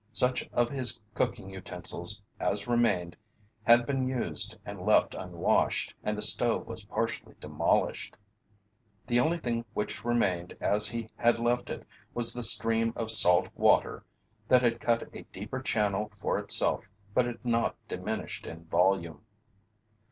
Such of his cooking utensils as remained had been used and left unwashed, and the stove was partially demolished. The only thing which remained as he had left it was the stream of salt water that had cut a deeper channel for itself but had not diminished in volume.